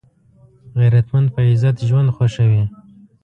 غیرتمند په عزت ژوند خوښوي